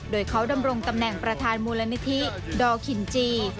โดยเขาดำรงตำแหน่งประธานมูลนิธิดอคินจี